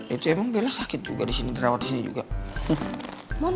itu emang bella sakit juga disini terawat disini juga kan ya lo makanya